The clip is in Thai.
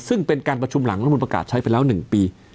ซึ่งเป็นการประชุมหลังรัฐมนุนประกาศใช้ไปแล้ว๑ปี